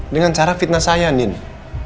dengan cara fitnah saya nih